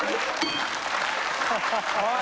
おい！